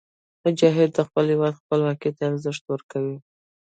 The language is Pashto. مجاهد د خپل هېواد خپلواکۍ ته ارزښت ورکوي.